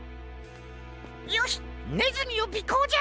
よしねずみをびこうじゃ！